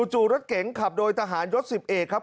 จู่รถเก๋งขับโดยทหารยศ๑๐เอกครับ